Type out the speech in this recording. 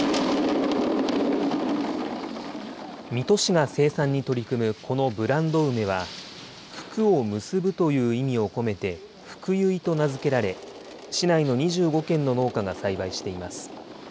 水戸市が生産に取り組むこのブランド梅は、福を結ぶという意味を込めてふくゆいと名付けられ、市内の２５軒の農家が栽培しています。